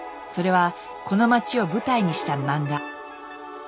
それはこの町を舞台にした漫画。